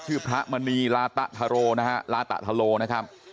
ชื่อพระมณีราตธโรนะฮะราตธโรนะครับ